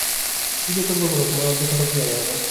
কী যে তর্ক কর, তোমার অর্ধেক কথা বোঝাই যায় না।